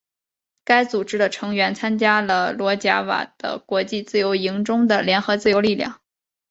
该组织的成员参加了罗贾瓦的国际自由营中的联合自由力量。